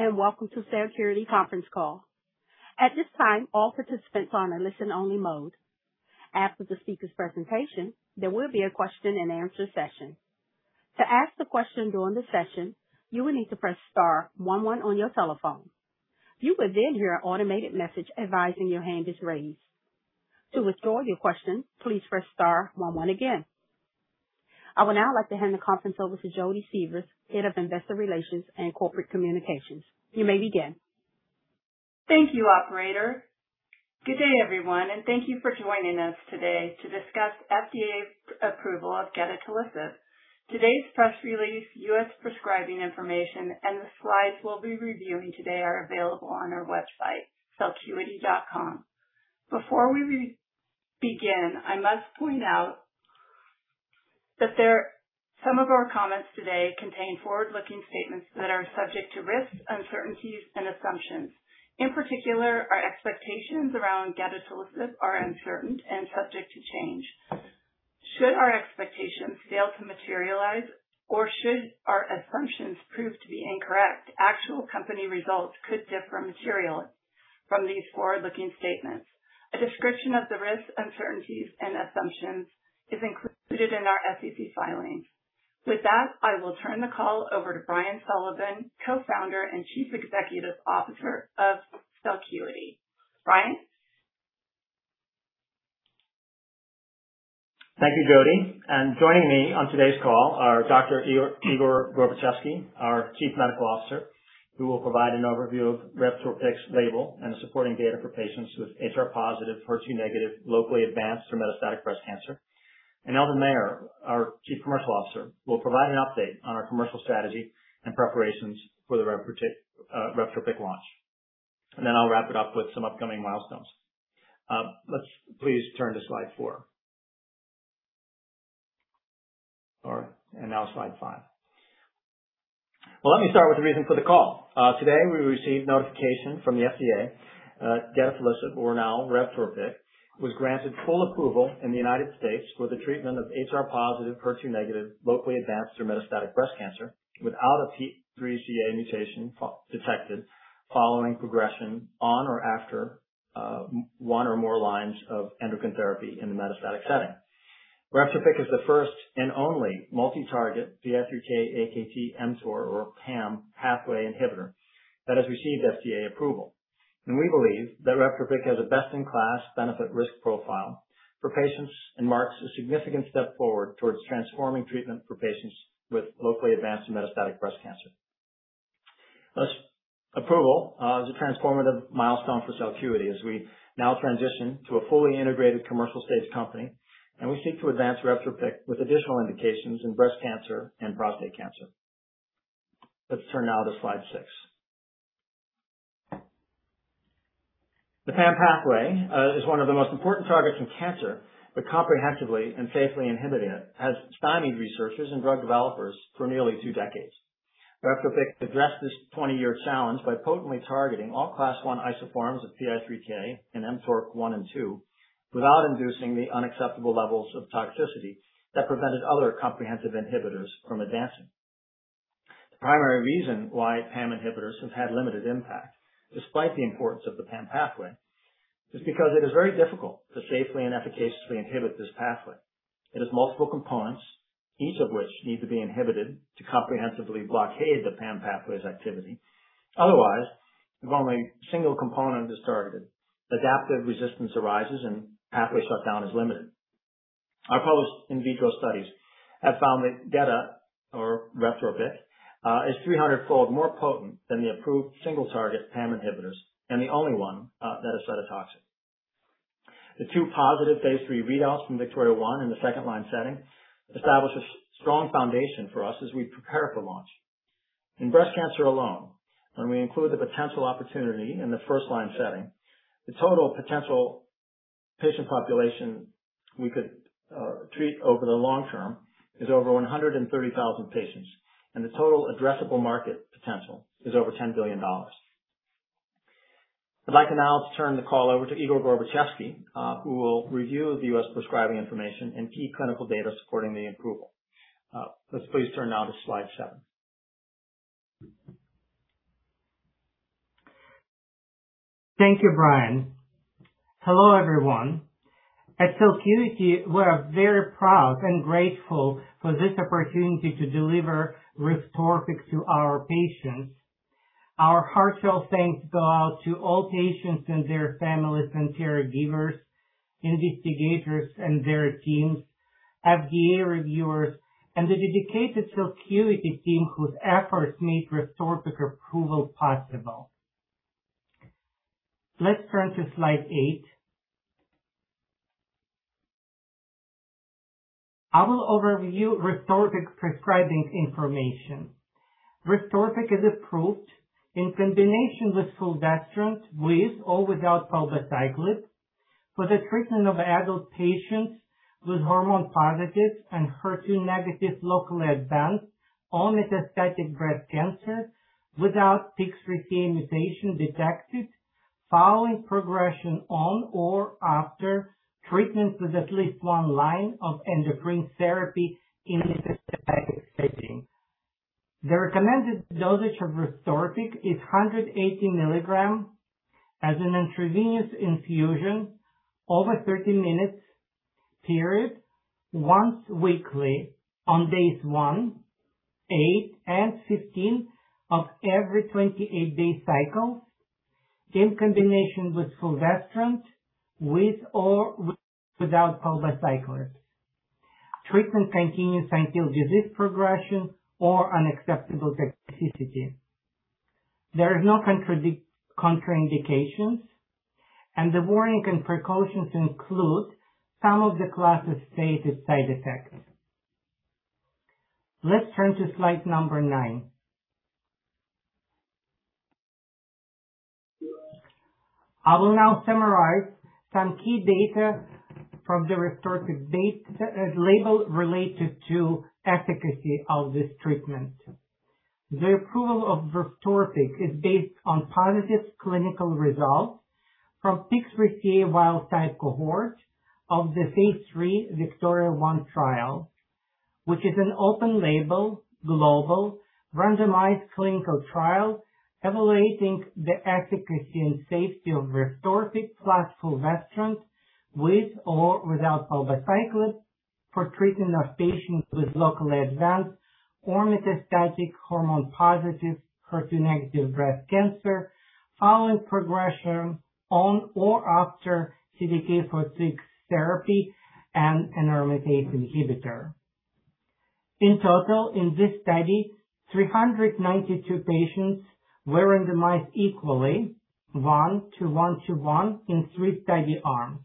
Hello, welcome to Celcuity conference call. At this time, all participants are on a listen-only mode. After the speaker's presentation, there will be a question-and-answer session. To ask the question during the session, you will need to press star one one on your telephone. You will then hear an automated message advising your hand is raised. To withdraw your question, please press star one one again. I would now like to hand the conference over to Jodi Sievers, Head of Investor Relations and Corporate Communications. You may begin. Thank you, operator. Good day, everyone. Thank you for joining us today to discuss FDA approval of gedatolisib. Today's press release, U.S. prescribing information, and the slides we'll be reviewing today are available on our website, celcuity.com. Before we begin, I must point out that some of our comments today contain forward-looking statements that are subject to risks, uncertainties, and assumptions. In particular, our expectations around gedatolisib are uncertain and subject to change. Should our expectations fail to materialize, or should our assumptions prove to be incorrect, actual company results could differ materially from these forward-looking statements. A description of the risks, uncertainties, and assumptions is included in our SEC filings. With that, I will turn the call over to Brian Sullivan, Co-founder and Chief Executive Officer of Celcuity. Brian? Thank you, Jodi. Joining me on today's call are Dr. Igor Gorbatchevsky, our Chief Medical Officer, who will provide an overview of REVTORPYK's label and the supporting data for patients with HR-positive, HER2-negative, locally advanced or metastatic breast cancer. Eldon Mayer, our Chief Commercial Officer, will provide an update on our commercial strategy and preparations for the REVTORPYK launch. Then I'll wrap it up with some upcoming milestones. Let's please turn to slide four. All right, now slide five. Let me start with the reason for the call. Today, we received notification from the FDA that gedatolisib, or now REVTORPYK, was granted full approval in the United States for the treatment of HR-positive, HER2-negative, locally advanced or metastatic breast cancer without a PIK3CA mutation detected following progression on or after one or more lines of endocrine therapy in the metastatic setting. REVTORPYK is the first and only multi-target PI3K/AKT/mTOR or PAM pathway inhibitor that has received FDA approval. We believe that REVTORPYK has a best-in-class benefit risk profile for patients and marks a significant step forward towards transforming treatment for patients with locally advanced and metastatic breast cancer. This approval is a transformative milestone for Celcuity as we now transition to a fully integrated commercial stage company. We seek to advance REVTORPYK with additional indications in breast cancer and prostate cancer. Let's turn now to slide six. The PAM pathway is one of the most important targets in cancer, but comprehensively and safely inhibiting it has stymied researchers and drug developers for nearly two decades. REVTORPYK addressed this 20-year challenge by potently targeting all class 1 isoforms of PI3K and mTORC1 and 2 without inducing the unacceptable levels of toxicity that prevented other comprehensive inhibitors from advancing. The primary reason why PAM inhibitors have had limited impact, despite the importance of the PAM pathway, is because it is very difficult to safely and efficaciously inhibit this pathway. It has multiple components, each of which need to be inhibited to comprehensively blockade the PAM pathway's activity. Otherwise, if only a single component is targeted, adaptive resistance arises and pathway shutdown is limited. Our published in vitro studies have found that geta, or REVTORPYK, is 300-fold more potent than the approved single target PAM inhibitors and the only one that is cytotoxic. The two positive phase III readouts from VIKTORIA-1 in the second-line setting established a strong foundation for us as we prepare for launch. In breast cancer alone, when we include the potential opportunity in the first-line setting, the total potential patient population we could treat over the long term is over 130,000 patients, and the total addressable market potential is over $10 billion. I'd like to now turn the call over to Igor Gorbatchevsky, who will review the U.S. prescribing information and key clinical data supporting the approval. Let's please turn now to slide seven. Thank you, Brian. Hello, everyone. At Celcuity, we're very proud and grateful for this opportunity to deliver REVTORPYK to our patients. Our heartfelt thanks go out to all patients and their families and caregivers, investigators and their teams, FDA reviewers, and the dedicated Celcuity team whose efforts made REVTORPYK approval possible. Let's turn to slide eight. I will overview REVTORPYK prescribing information. REVTORPYK is approved in combination with fulvestrant, with or without palbociclib, for the treatment of adult patients with hormone-positive and HER2-negative locally advanced or metastatic breast cancer without PIK3CA mutation detected following progression on or after treatment with at least one line of endocrine therapy in metastatic setting. The recommended dosage of REVTORPYK is 180 mg as an intravenous infusion over 30-minute period, once weekly on days one, eight, and 15 of every 28-day cycle, in combination with fulvestrant, with or without palbociclib. Treatment continues until disease progression or unacceptable toxicity. There is no contraindications, and the warning and precautions include some of the class' stated side effects. Let's turn to slide number nine. I will now summarize some key data from the REVTORPYK label related to efficacy of this treatment. The approval of REVTORPYK is based on positive clinical results from PIK3CA wild-type cohort of the Phase III VIKTORIA-1 trial, which is an open-label, global, randomized clinical trial evaluating the efficacy and safety of REVTORPYK plus fulvestrant, with or without palbociclib, for treatment of patients with locally advanced or metastatic hormone-positive, HER2-negative breast cancer following progression on or after CDK4/6 therapy and an aromatase inhibitor. In total, in this study, 392 patients were randomized equally, 1:1:1, in three study arms.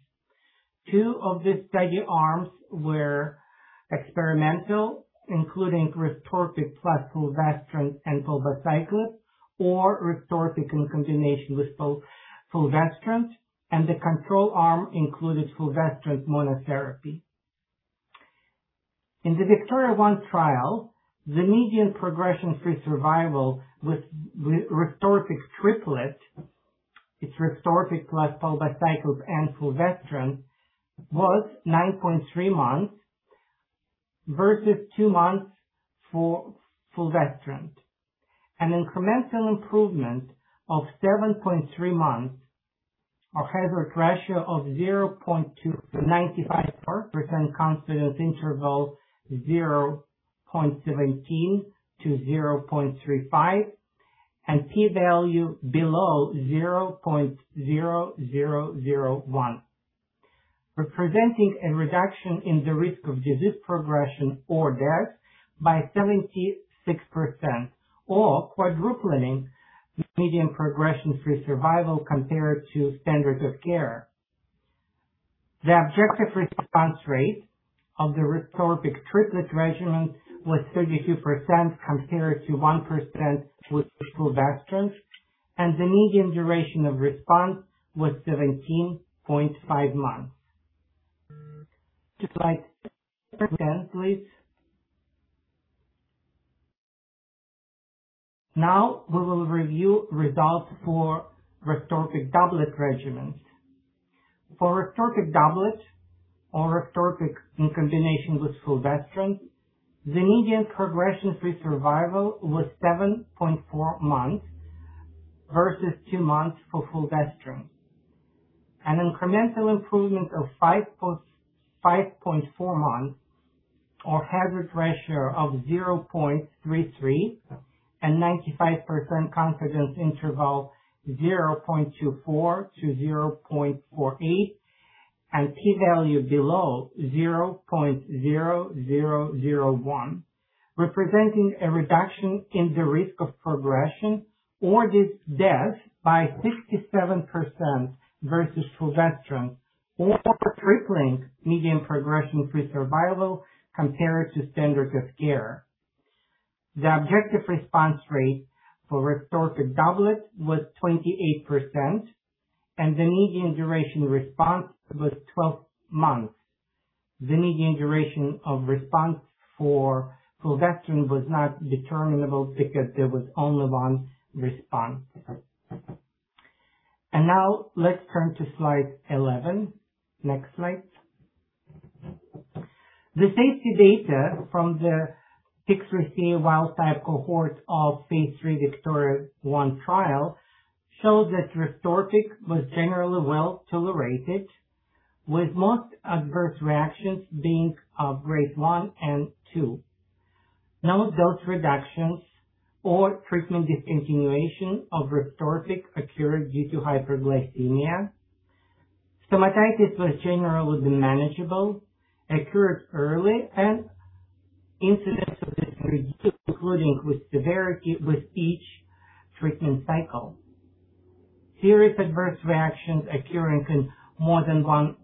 Two of the study arms were experimental, including REVTORPYK plus fulvestrant and palbociclib, or REVTORPYK in combination with fulvestrant, and the control arm included fulvestrant monotherapy. In the VIKTORIA-1 trial, the median progression-free survival with REVTORPYK triplet, it is REVTORPYK plus palbociclib and fulvestrant, was 9.3 months versus two months for fulvestrant. An incremental improvement of 7.3 months, a hazard ratio of 0.2x, a 95% confidence interval 0.17 to 0.35, and P value below 0.0001, representing a reduction in the risk of disease progression or death by 76%, or quadrupling median progression-free survival compared to standard of care. The objective response rate of the REVTORPYK triplet regimen was 32% compared to 1% with fulvestrant, and the median duration of response was 17.5 months. To slide 10, please. Now we will review results for REVTORPYK doublet regimens. For REVTORPYK doublet or REVTORPYK in combination with fulvestrant, the median progression-free survival was 7.4 months versus two months for fulvestrant. An incremental improvement of 5.4 months or hazard ratio of 0.33x and 95% confidence interval 0.24 to 0.48 and P value below 0.0001, representing a reduction in the risk of progression or death by 67% versus fulvestrant, or tripling median progression-free survival compared to standard of care. The objective response rate for REVTORPYK doublet was 28%, and the median duration response was 12 months. The median duration of response for fulvestrant was not determinable because there was only one response. Now let's turn to slide 11. Next slide. The safety data from the PIK3CA wild-type cohort of phase III VIKTORIA-1 trial showed that REVTORPYK was generally well-tolerated, with most adverse reactions being of grade 1 and 2. No dose reductions or treatment discontinuation of REVTORPYK occurred due to hyperglycemia. Stomatitis was generally manageable, occurred early, and incidence of this reduced, including with severity, with each treatment cycle. Serious adverse reactions occurring in more than 1%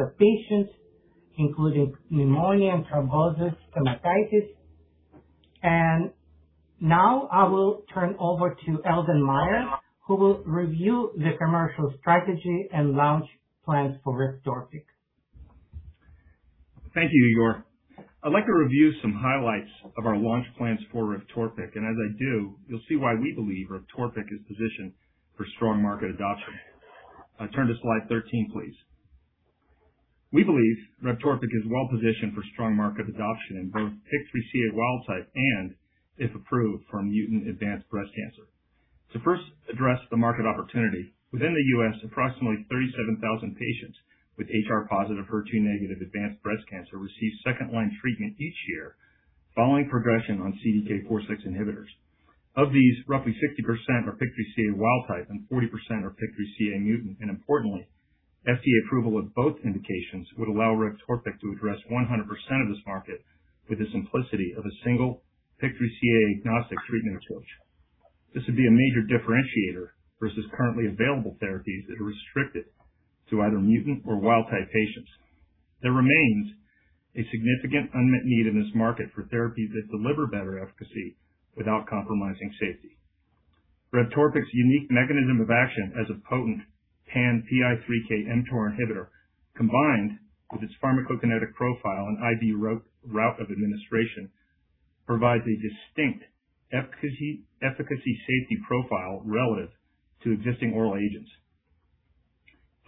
of patients, including pneumonia, thrombosis, stomatitis. Now I will turn over to Eldon Mayer, who will review the commercial strategy and launch plans for REVTORPYK. Thank you, Igor. I'd like to review some highlights of our launch plans for REVTORPYK, and as I do, you'll see why we believe REVTORPYK is positioned for strong market adoption. Turn to slide 13, please. We believe REVTORPYK is well-positioned for strong market adoption in both PIK3CA wild type and, if approved, for mutant advanced breast cancer. To first address the market opportunity, within the U.S., approximately 37,000 patients with HR-positive, HER2-negative advanced breast cancer receive second-line treatment each year following progression on CDK4/6 inhibitors. Of these, roughly 60% are PIK3CA wild type and 40% are PIK3CA mutant, and importantly, FDA approval of both indications would allow REVTORPYK to address 100% of this market with the simplicity of a single PIK3CA-agnostic treatment approach. This would be a major differentiator versus currently available therapies that are restricted to either mutant or wild type patients. There remains a significant unmet need in this market for therapies that deliver better efficacy without compromising safety. REVTORPYK's unique mechanism of action as a potent pan PI3K mTOR inhibitor, combined with its pharmacokinetic profile and IV route of administration, provides a distinct efficacy-safety profile relative to existing oral agents.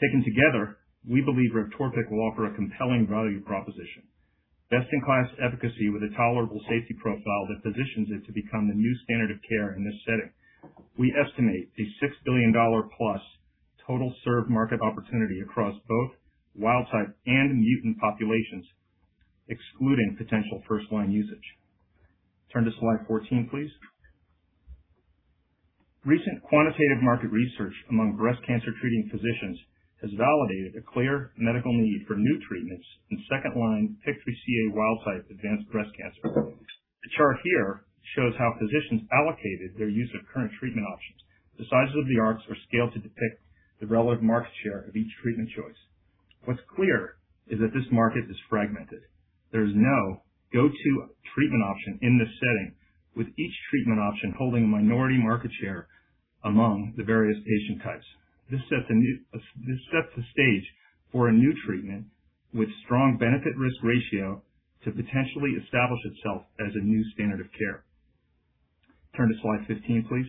Taken together, we believe REVTORPYK will offer a compelling value proposition, best-in-class efficacy with a tolerable safety profile that positions it to become the new standard of care in this setting. We estimate a $6+ billion total served market opportunity across both wild type and mutant populations, excluding potential first-line usage. Turn to slide 14, please. Recent quantitative market research among breast cancer-treating physicians has validated a clear medical need for new treatments in second-line PIK3CA wild type advanced breast cancer. The chart here shows how physicians allocated their use of current treatment options. The sizes of the arcs are scaled to depict the relevant market share of each treatment choice. What's clear is that this market is fragmented. There's no go-to treatment option in this setting, with each treatment option holding a minority market share among the various patient types. This sets the stage for a new treatment with strong benefit/risk ratio to potentially establish itself as a new standard of care. Turn to slide 15, please.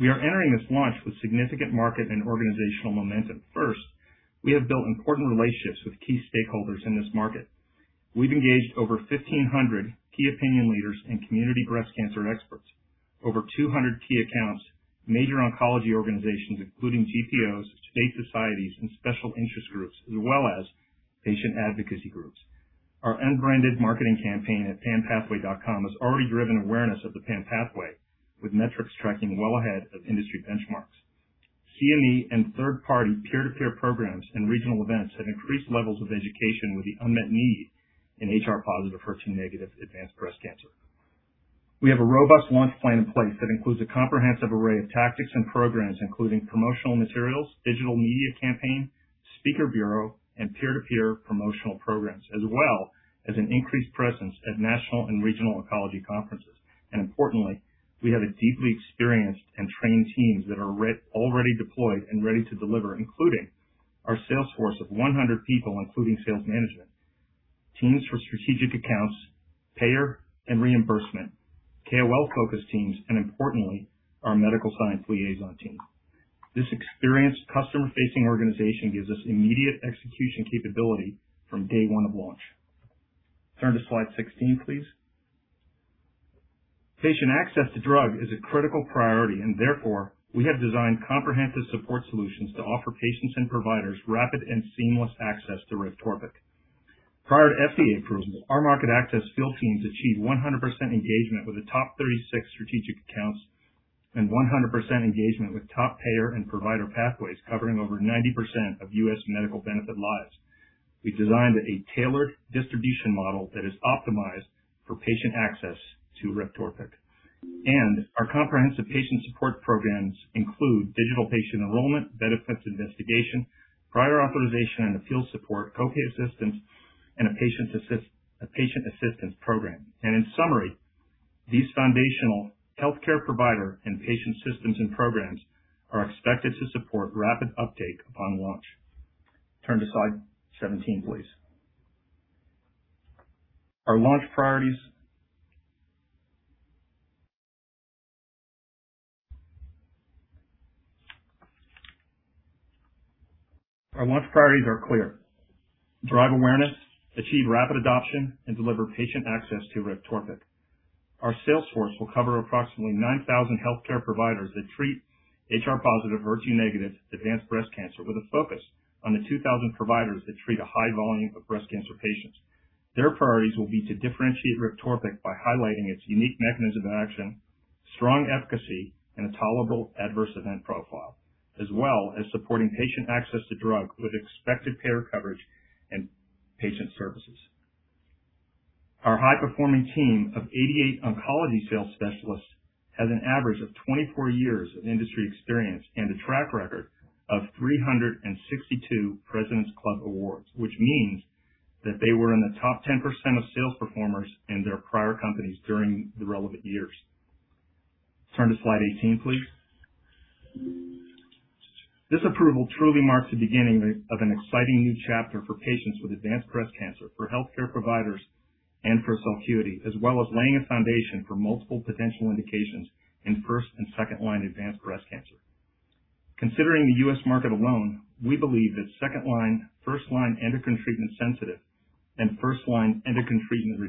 We are entering this launch with significant market and organizational momentum. First, we have built important relationships with key stakeholders in this market. We've engaged over 1,500 key opinion leaders and community breast cancer experts, over 200 key accounts, major oncology organizations, including GPOs, state societies, and special interest groups, as well as patient advocacy groups. Our unbranded marketing campaign at panpathway.com has already driven awareness of the PAM pathway, with metrics tracking well ahead of industry benchmarks. CME and third-party peer-to-peer programs and regional events have increased levels of education with the unmet need in HR-positive, HER2-negative advanced breast cancer. Importantly, we have a robust launch plan in place that includes a comprehensive array of tactics and programs, including promotional materials, digital media campaign, speaker bureau, and peer-to-peer promotional programs, as well as an increased presence at national and regional oncology conferences. Importantly, we have a deeply experienced and trained teams that are already deployed and ready to deliver, including our sales force of 100 people including sales management, teams for strategic accounts, payer and reimbursement, KOL-focused teams, and importantly, our medical science liaison team. This experienced customer-facing organization gives us immediate execution capability from day one of launch. Turn to slide 16, please. Patient access to drug is a critical priority and therefore, we have designed comprehensive support solutions to offer patients and providers rapid and seamless access to REVTORPYK. Prior to FDA approval, our market access field teams achieved 100% engagement with the top 36 strategic accounts and 100% engagement with top payer and provider pathways covering over 90% of U.S. medical benefit lives. We designed a tailored distribution model that is optimized for patient access to REVTORPYK. Our comprehensive patient support programs include digital patient enrollment, benefits investigation, prior authorization and appeal support, co-pay assistance, and a patient assistance program. In summary, these foundational healthcare provider and patient systems and programs are expected to support rapid uptake upon launch. Turn to slide 17, please. Our launch priorities are clear. Drive awareness, achieve rapid adoption, and deliver patient access to REVTORPYK. Our sales force will cover approximately 9,000 healthcare providers that treat HR-positive, HER2-negative advanced breast cancer with a focus on the 2,000 providers that treat a high volume of breast cancer patients. Their priorities will be to differentiate REVTORPYK by highlighting its unique mechanism of action, strong efficacy, and a tolerable adverse event profile, as well as supporting patient access to drug with expected payer coverage and patient services. Our high-performing team of 88 oncology sales specialists has an average of 24 years of industry experience and a track record of 362 President's Club Awards, which means that they were in the top 10% of sales performers in their prior companies during the relevant years. Turn to slide 18, please. This approval truly marks the beginning of an exciting new chapter for patients with advanced breast cancer, for healthcare providers, and for Celcuity, as well as laying a foundation for multiple potential indications in first and second line advanced breast cancer. Considering the U.S. market alone, we believe that second line, first line endocrine treatment sensitive, and first line endocrine treatment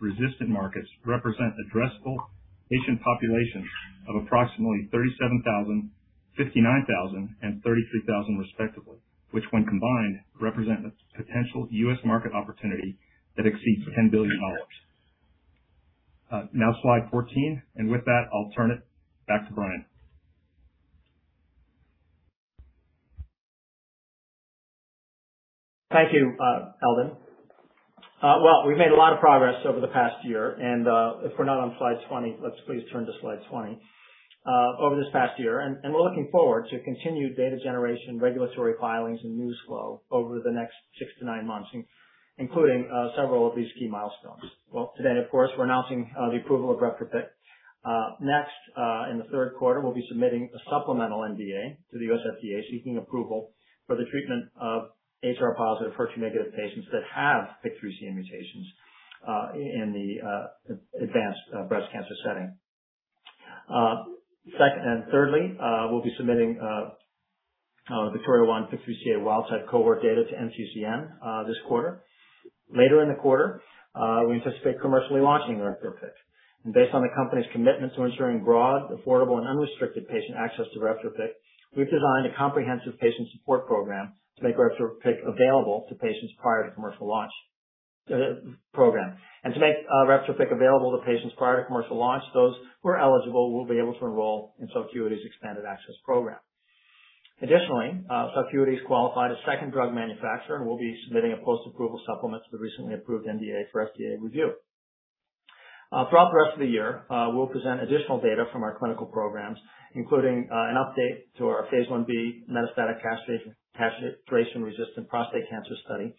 resistant markets represent addressable patient populations of approximately 37,000, 59,000, and 33,000 respectively, which when combined, represent a potential U.S. market opportunity that exceeds $10 billion. Slide 14, and with that, I'll turn it back to Brian. Thank you, Eldon. We've made a lot of progress over the past year, and if we're not on slide 20, let's please turn to slide 20. Over this past year, we're looking forward to continued data generation, regulatory filings, and news flow over the next six to nine months, including several of these key milestones. Today, of course, we're announcing the approval of REVTORPYK. Next, in the third quarter, we'll be submitting a supplemental NDA to the U.S. FDA seeking approval for the treatment of HR-positive, HER2-negative patients that have PIK3CA mutations in the advanced breast cancer setting. Second and thirdly, we'll be submitting VIKTORIA-1 PIK3CA wildtype cohort data to NCCN this quarter. Later in the quarter, we anticipate commercially launching REVTORPYK. Based on the company's commitment to ensuring broad, affordable, and unrestricted patient access to REVTORPYK, we've designed a comprehensive patient support program to make REVTORPYK available to patients prior to commercial launch program. To make REVTORPYK available to patients prior to commercial launch, those who are eligible will be able to enroll in Celcuity's expanded access program. Additionally, Celcuity is qualified as second drug manufacturer and will be submitting a post-approval supplement to the recently approved NDA for FDA review. Throughout the rest of the year, we'll present additional data from our clinical programs, including an update to our phase I-B metastatic castration-resistant prostate cancer study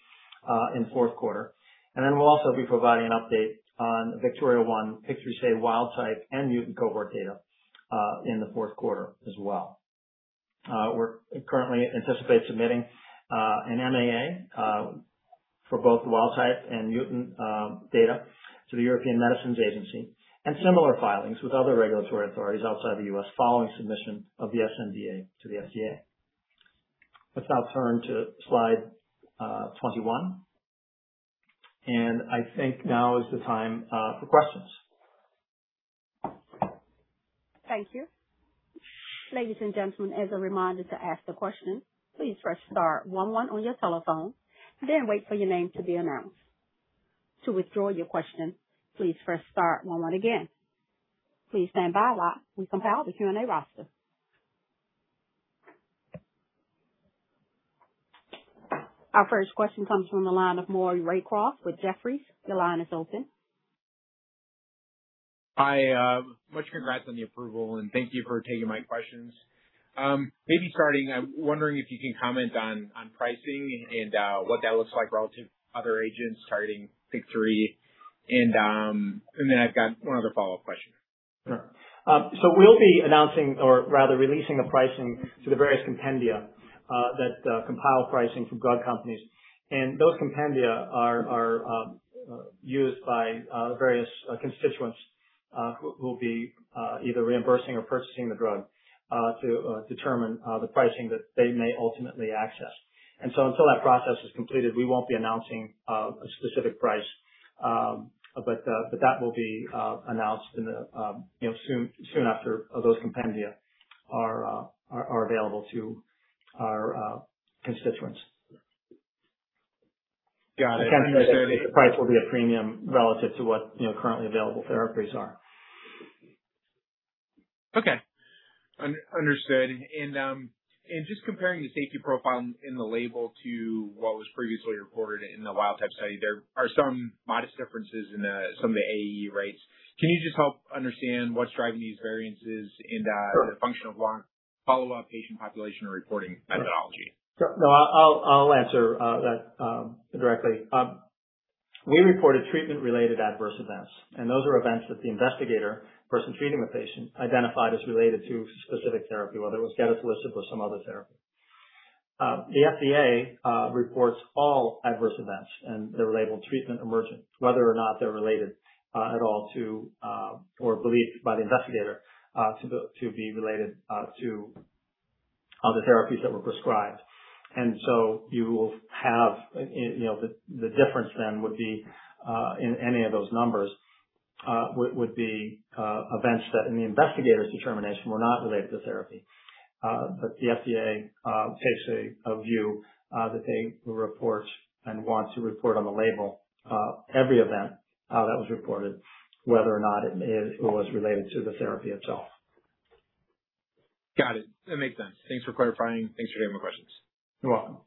in fourth quarter. We'll also be providing an update on VIKTORIA-1 PIK3CA wild-type and mutant cohort data in the fourth quarter as well. We currently anticipate submitting an MAA for both wild-type and mutant data to the European Medicines Agency and similar filings with other regulatory authorities outside the U.S. following submission of the sNDA to the FDA. Let's now turn to slide 21. I think now is the time for questions. Thank you. Ladies and gentlemen, as a reminder to ask the question, please press star one on your telephone, then wait for your name to be announced. To withdraw your question, please press star one again. Please stand by while we compile the Q&A roster. Our first question comes from the line of Maury Raycroft with Jefferies. Your line is open. Hi. Much congrats on the approval and thank you for taking my questions. Maybe starting, I'm wondering if you can comment on pricing and what that looks like relative to other agents starting PI3K. I've got one other follow-up question. Sure. We'll be announcing or rather releasing a pricing to the various compendia that compile pricing from drug companies. Those compendia are used by various constituents who will be either reimbursing or purchasing the drug to determine the pricing that they may ultimately access. Until that process is completed, we won't be announcing a specific price. That will be announced soon after those compendia are available to our constituents. Got it. I can say that the price will be a premium relative to what currently available therapies are. Okay. Understood. Just comparing the safety profile in the label to what was previously reported in the wild-type study, there are some modest differences in some of the AE rates. Can you just help understand what's driving these variances in the function of long follow-up patient population reporting methodology? Sure. I'll answer that directly. We reported treatment-related adverse events, those are events that the investigator, person treating the patient, identified as related to specific therapy, whether it was gedatolisib or some other therapy. The FDA reports all adverse events, they're labeled treatment emergent, whether or not they're related at all to or believed by the investigator to be related to the therapies that were prescribed. The difference then would be in any of those numbers would be events that in the investigator's determination were not related to therapy. The FDA takes a view that they will report and want to report on the label every event that was reported, whether or not it was related to the therapy itself. Got it. That makes sense. Thanks for clarifying. Thanks for taking my questions. You're welcome.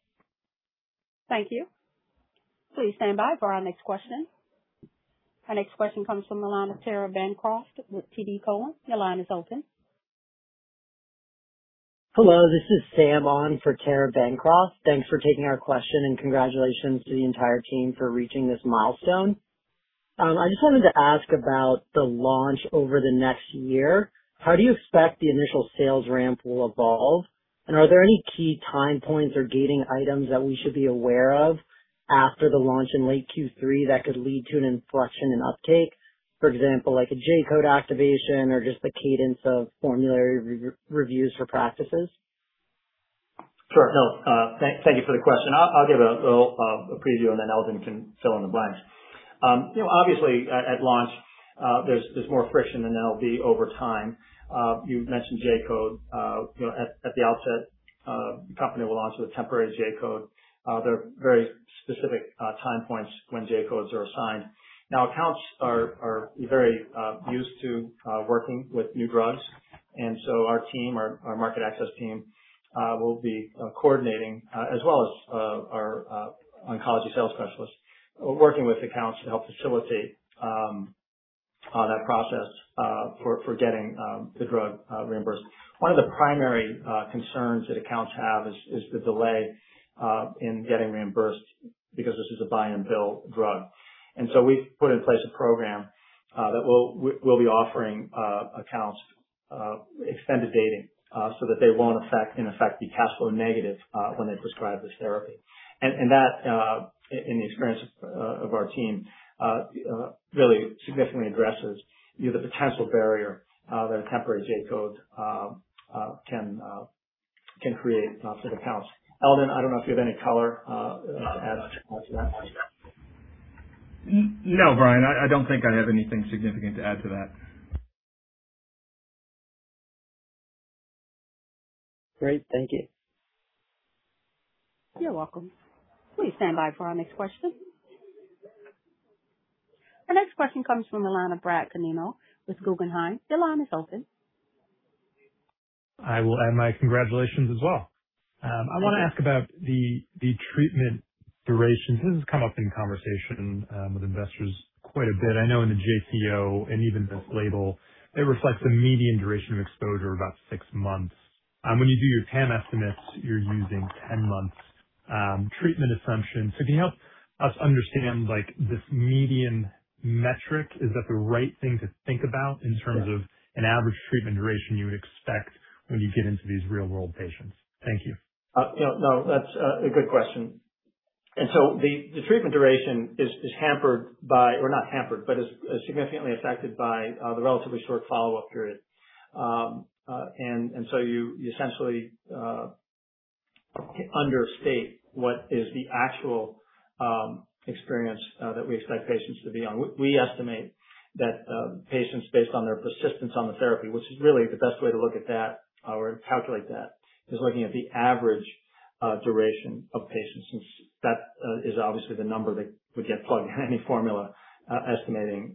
Thank you. Please stand by for our next question. Our next question comes from the line of Tara Bancroft with TD Cowen. Your line is open. Hello, this is Sam on for Tara Bancroft. Thanks for taking our question. Congratulations to the entire team for reaching this milestone. I just wanted to ask about the launch over the next year. How do you expect the initial sales ramp will evolve? Are there any key time points or gating items that we should be aware of after the launch in late Q3 that could lead to an inflection in uptake? For example, like a J-code activation or just the cadence of formulary reviews for practices. Sure. No. Thank you for the question. I'll give a little preview, then Eldon can fill in the blanks. Obviously, at launch, there's more friction than there'll be over time. You mentioned J-code. At the outset, the company will launch with a temporary J-code. There are very specific time points when J-codes are assigned. Accounts are very used to working with new drugs, our market access team will be coordinating, as well as our oncology sales specialists, working with accounts to help facilitate that process for getting the drug reimbursed. One of the primary concerns that accounts have is the delay in getting reimbursed, because this is a buy-and-bill drug. We've put in place a program that we'll be offering accounts extended dating, so that they won't in effect be cash flow negative when they prescribe this therapy. That, in the experience of our team, really significantly addresses the potential barrier that a temporary J-code can create for the accounts. Eldon, I don't know if you have any color to add to that. No, Brian, I don't think I have anything significant to add to that. Great. Thank you. You're welcome. Please stand by for our next question. Our next question comes from the line of Brad Canino, with Guggenheim. Your line is open. I will add my congratulations as well. I want to ask about the treatment duration. This has come up in conversation with investors quite a bit. I know in the JCO, and even this label, they reflect a median duration of exposure of about six months. When you do your TAM estimates, you're using 10 months treatment assumption. Can you help us understand this median metric? Is that the right thing to think about in terms of an average treatment duration you would expect when you get into these real-world patients? Thank you. No, that's a good question. The treatment duration is hampered by or not hampered, but is significantly affected by the relatively short follow-up period. You essentially understate what is the actual experience that we expect patients to be on. We estimate that patients based on their persistence on the therapy, which is really the best way to look at that or calculate that, is looking at the average duration of patients, since that is obviously the number that would get plugged in any formula estimating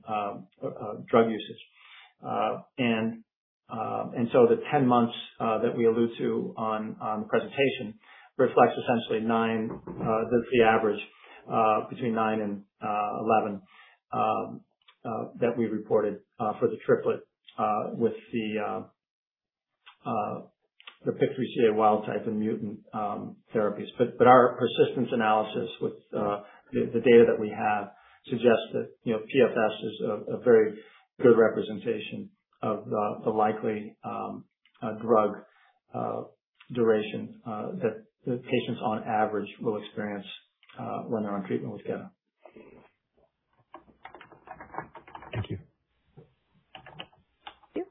drug usage. The 10 months that we allude to on the presentation reflects essentially nine. That's the average between nine and 11 that we reported for the triplet with the PIK3CA wild-type and mutant therapies. Our persistence analysis with the data that we have suggests that PFS is a very good representation of the likely drug duration that patients on average will experience when they're on treatment with data. Thank you. Thank you.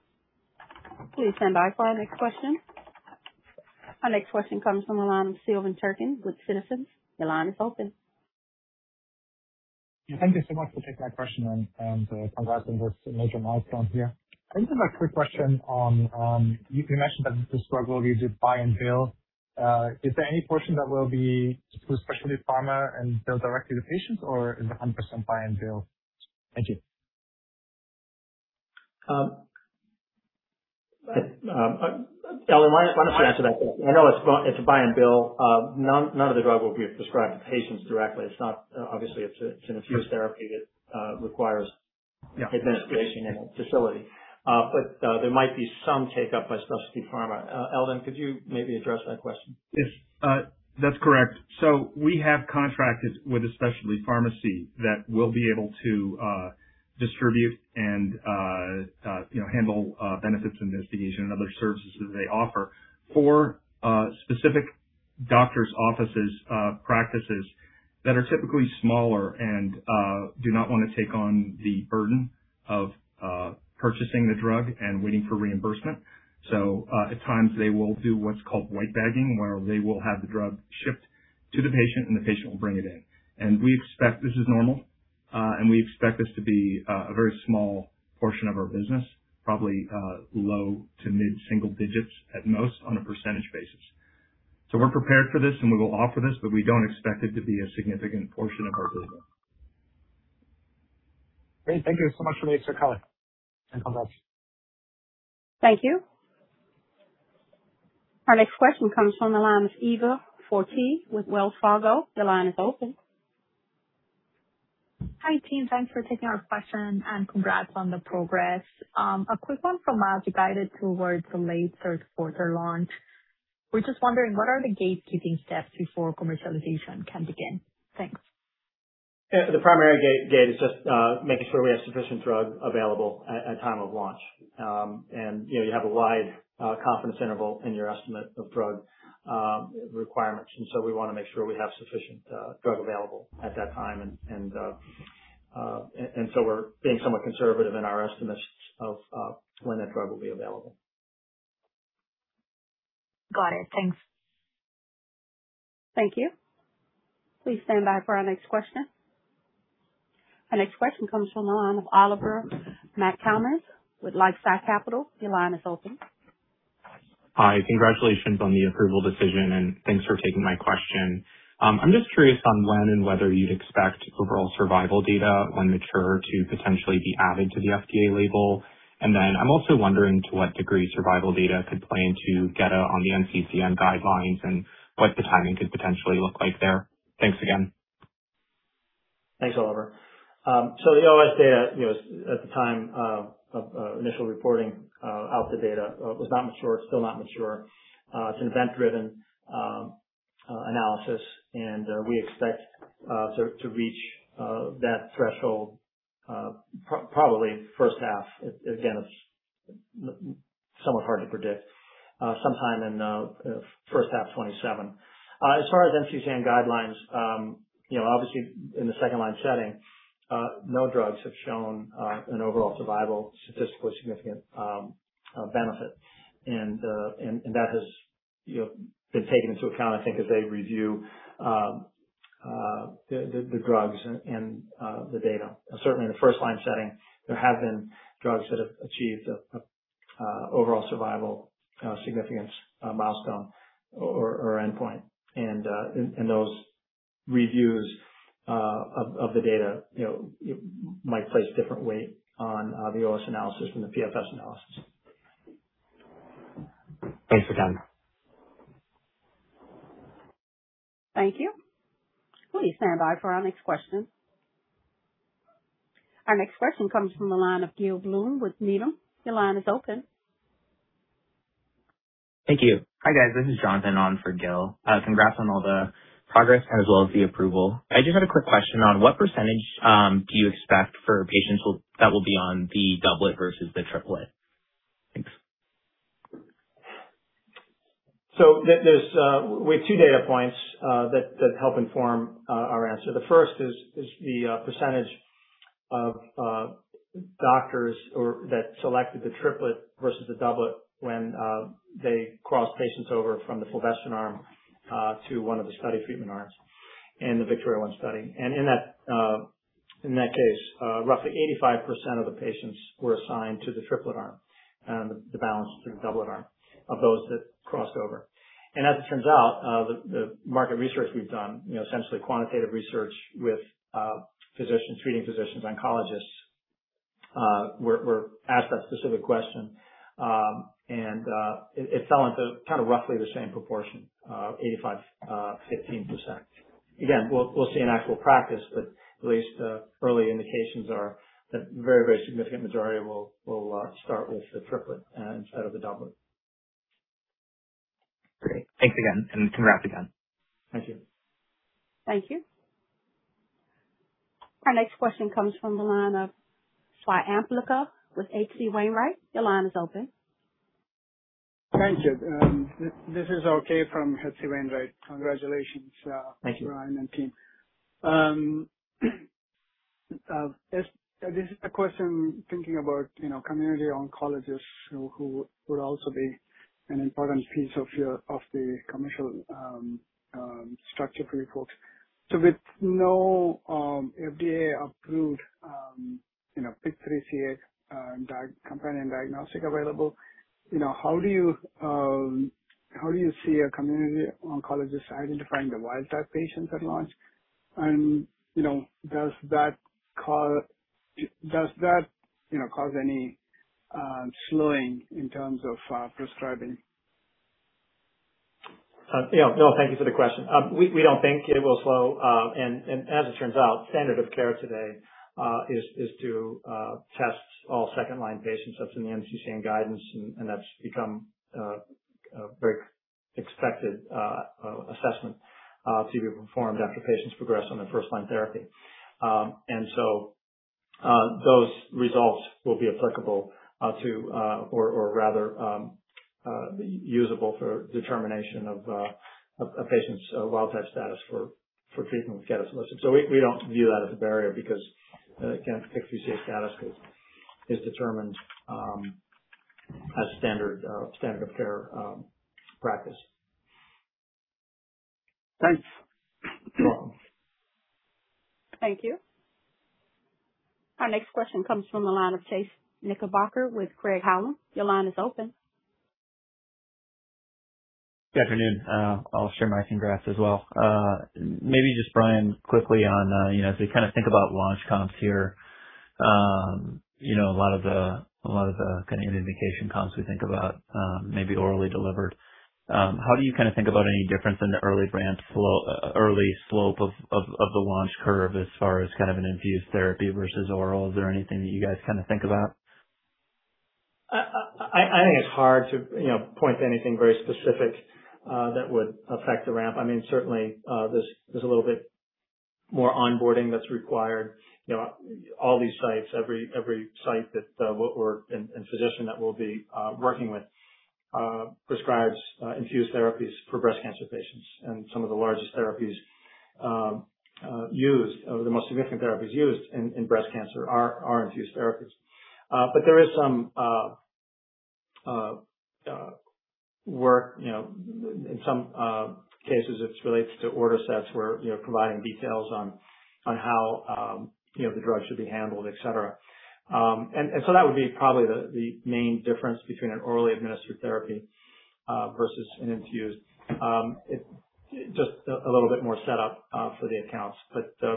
Please stand by for our next question. Our next question comes from the line of Silvan Türkcan with Citizens. Your line is open. Thank you so much for taking my question and congrats on this major milestone here. I just have a quick question on, you mentioned that the struggle you did buy and bill. Is there any portion that will be through specialty pharma and bill directly to patients, or is it 100% buy and bill? Thank you. Eldon, why don't you answer that question? I know it's a buy and bill. None of the drug will be prescribed to patients directly. Obviously, it's an infused therapy that requires administration in a facility. There might be some take-up by specialty pharma. Eldon, could you maybe address that question? Yes. That's correct. We have contracted with a specialty pharmacy that will be able to distribute and handle benefits administration and other services they offer for specific doctor's offices, practices that are typically smaller and do not want to take on the burden of purchasing the drug and waiting for reimbursement. At times they will do what's called white bagging, where they will have the drug shipped to the patient and the patient will bring it in. We expect this is normal. We expect this to be a very small portion of our business, probably low to mid-single digits at most on a percentage basis. We're prepared for this, and we will offer this, but we don't expect it to be a significant portion of our business. Great. Thank you so much for the insight. Congrats. Thank you. Our next question comes from the line of Eva Fortea with Wells Fargo. Your line is open. Hi team, thanks for taking our question, congrats on the progress. A quick one from us. You guided towards the late third quarter launch. We're just wondering, what are the gatekeeping steps before commercialization can begin? Thanks. The primary gate is just making sure we have sufficient drug available at time of launch. You have a wide confidence interval in your estimate of drug requirements. We want to make sure we have sufficient drug available at that time. We're being somewhat conservative in our estimates of when that drug will be available. Got it. Thanks. Thank you. Please stand by for our next question. Our next question comes from the line of Oliver McCammon with LifeSci Capital. Your line is open. Hi. Congratulations on the approval decision, thanks for taking my question. I'm just curious on when and whether you'd expect overall survival data, when mature, to potentially be added to the FDA label. I'm also wondering to what degree survival data could play into gedatolisib on the NCCN guidelines and what the timing could potentially look like there. Thanks again. Thanks, Oliver. The OS data, at the time of initial reporting, alpha data was not mature, still not mature. It's an event-driven analysis, we expect to reach that threshold probably first half. Again, it's somewhat hard to predict. Sometime in first half 2027. As far as NCCN guidelines, obviously in the second-line setting, no drugs have shown an overall survival statistically significant benefit. That has been taken into account, I think, as they review the drugs and the data. Certainly, in the first line setting, there have been drugs that have achieved an overall survival significance milestone or endpoint. Those reviews of the data might place different weight on the OS analysis from the PFS analysis. Thanks for your time. Thank you. Please stand by for our next question. Our next question comes from the line of Gil Blum with Needham. Your line is open. Thank you. Hi, guys. This is Jonathan on for Gil. Congrats on all the progress as well as the approval. I just had a quick question on what percentage do you expect for patients that will be on the doublet versus the triplet? Thanks. We have two data points that help inform our answer. The first is the percentage of doctors that selected the triplet versus the doublet when they crossed patients over from the fulvestrant arm to one of the study treatment arms in the VIKTORIA-1 study. In that case, roughly 85% of the patients were assigned to the triplet arm, the balance to the doublet arm, of those that crossed over. As it turns out, the market research we've done, essentially quantitative research with treating physicians, oncologists, were asked that specific question, and it fell into roughly the same proportion, 85%, 15%. Again, we'll see in actual practice, but at least early indications are that very significant majority will start with the triplet instead of the doublet. Great. Thanks again, and congrats again. Thank you. Thank you. Our next question comes from the line of Swayampakula with H.C. Wainwright. Your line is open. Thank you. This is R.K. from H.C. Wainwright. Congratulations, Brian and team. This is a question thinking about community oncologists who would also be an important piece of the commercial structure for you folks. With no FDA-approved PIK3CA companion diagnostic available, how do you see a community oncologist identifying the wild-type patients at launch? Does that cause any slowing in terms of prescribing? Bill, thank you for the question. We don't think it will slow. As it turns out, standard of care today is to test all second-line patients. That's in the NCCN guidance, and that's become a very expected assessment to be performed after patients progress on their first-line therapy. Those results will be applicable to, or rather, usable for determination of a patient's wild-type status for treatment with gedatolisib. We don't view that as a barrier because, again, PIK3CA status is determined as standard of care practice. Thanks. Thank you. Our next question comes from the line of Chase Knickerbocker with Craig-Hallum. Your line is open. Good afternoon. I'll share my congrats as well. Maybe just, Brian, quickly on as we think about launch comps here A lot of the community indication comps we think about may be orally delivered. How do you think about any difference in the early slope of the launch curve as far as an infused therapy versus oral? Is there anything that you guys think about? I think it's hard to point to anything very specific that would affect the ramp. Certainly, there's a little bit more onboarding that's required. All these sites, every site and physician that we'll be working with prescribes infused therapies for breast cancer patients. Some of the largest therapies used, or the most significant therapies used in breast cancer are infused therapies. There is some work, in some cases, it relates to order sets where providing details on how the drug should be handled, et cetera. That would be probably the main difference between an orally administered therapy versus an infused. Just a little bit more set up for the accounts.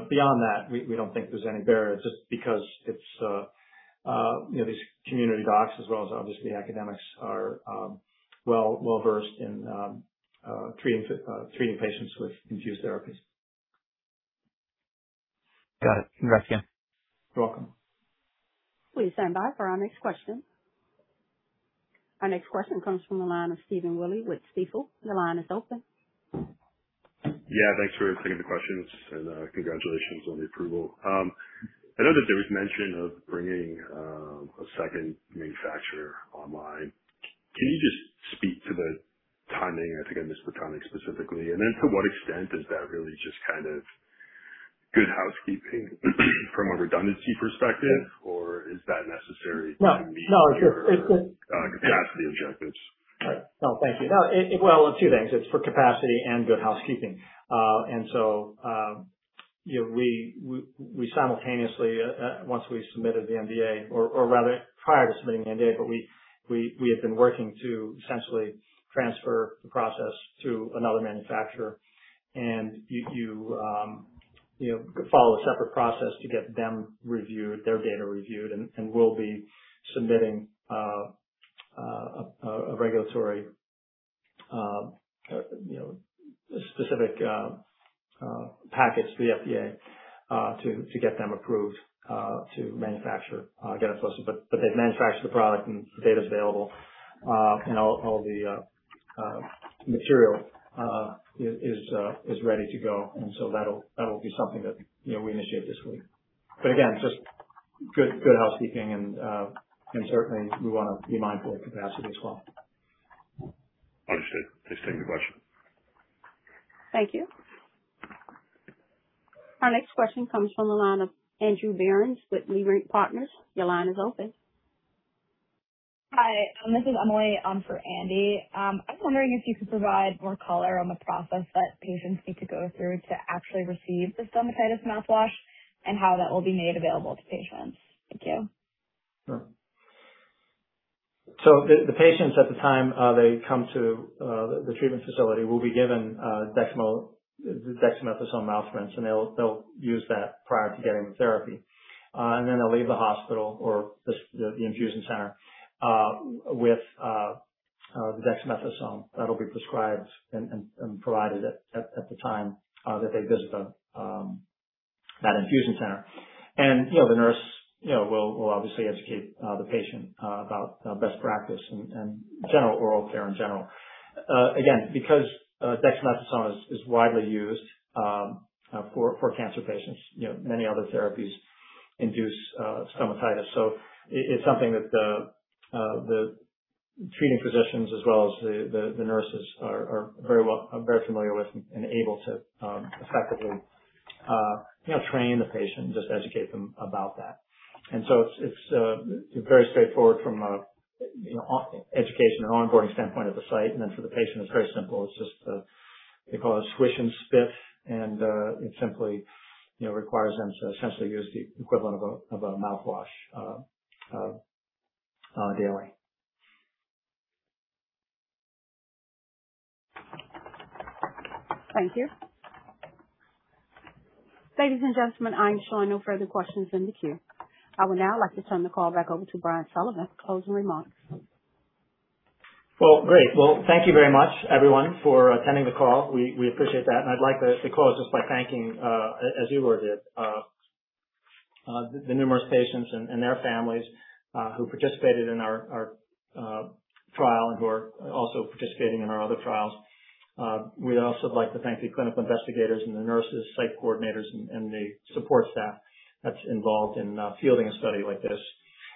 Beyond that, we don't think there's any barriers just because these community docs, as well as obviously academics, are well-versed in treating patients with infused therapies. Got it. Congrats again. You're welcome. Please stand by for our next question. Our next question comes from the line of Stephen Willey with Stifel. Your line is open. Yeah. Thanks for taking the questions. Congratulations on the approval. I know that there was mention of bringing a second manufacturer online. Can you just speak to the timing? I think I missed the timing specifically. To what extent is that really just good housekeeping from a redundancy perspective? Or is that necessary- No to meet your capacity objectives? No, thank you. Well, two things. It's for capacity and good housekeeping. We simultaneously, once we submitted the NDA, or rather prior to submitting the NDA, we had been working to essentially transfer the process to another manufacturer. You follow a separate process to get their data reviewed, and we'll be submitting a regulatory specific package to the FDA to get them approved to manufacture gedatolisib. They've manufactured the product, and the data's available, and all the material is ready to go. That'll be something that we initiate this week. Again, just good housekeeping and, certainly, we want to be mindful of capacity as well. Understood. Thanks for taking the question. Thank you. Our next question comes from the line of Andrew Berens with Leerink Partners. Your line is open. Hi, this is Emily for Andy. I was wondering if you could provide more color on the process that patients need to go through to actually receive the stomatitis mouthwash and how that will be made available to patients. Thank you. Sure. The patients at the time they come to the treatment facility will be given dexamethasone mouth rinse, and they'll use that prior to getting the therapy. Then they'll leave the hospital or the infusion center with the dexamethasone that'll be prescribed and provided at the time that they visit that infusion center. The nurse will obviously educate the patient about best practice and oral care in general. Again, because dexamethasone is widely used for cancer patients, many other therapies induce stomatitis. It's something that the treating physicians as well as the nurses are very familiar with and able to effectively train the patient, just educate them about that. It's very straightforward from an education and onboarding standpoint at the site. Then for the patient, it's very simple. It's just, they call it swish and spit, it simply requires them to essentially use the equivalent of a mouthwash daily. Thank you. Ladies and gentlemen, I'm showing no further questions in the queue. I would now like to turn the call back over to Brian Sullivan for closing remarks. Great. Thank you very much, everyone, for attending the call. We appreciate that. I'd like to close just by thanking, as Igor did, the numerous patients and their families who participated in our trial and who are also participating in our other trials. We'd also like to thank the clinical investigators and the nurses, site coordinators, and the support staff that's involved in fielding a study like this.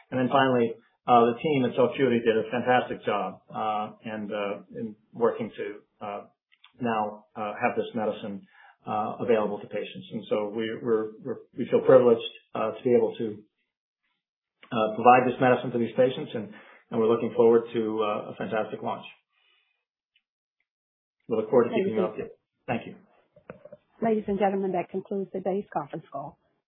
Finally, the team at Celcuity did a fantastic job in working to now have this medicine available to patients. We feel privileged to be able to provide this medicine to these patients, and we're looking forward to a fantastic launch. We'll, of course, keep you updated. Thank you. Ladies and gentlemen, that concludes today's conference call.